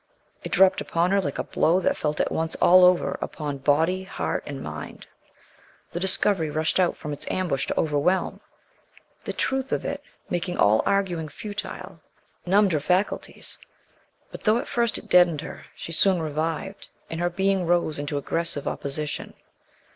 It dropped upon her like a blow that she felt at once all over, upon body, heart and mind. The discovery rushed out from its ambush to overwhelm. The truth of it, making all arguing futile, numbed her faculties. But though at first it deadened her, she soon revived, and her being rose into aggressive opposition.